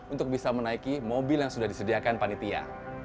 untuk bisa menaiki mobil yang sudah disediakan panitia